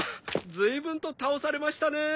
ずいぶんと倒されましたね。